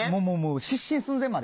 失神寸前まで。